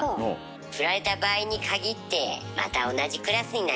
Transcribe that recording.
振られた場合にかぎってまた同じクラスになります。